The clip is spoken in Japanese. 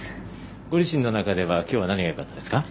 ご自身の中ではきょうは何がよかったですか？